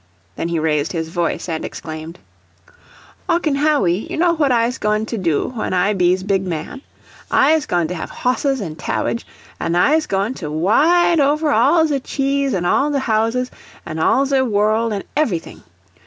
Then he raised his voice, and exclaimed: "Ocken Hawwy, you know what Iz'he goin' do when I be's big man? Iz'he goin' to have hosses and tarridge, an' Iz'he goin' to wide over all ze chees an' all ze houses, an' all ze world an' evvyfing.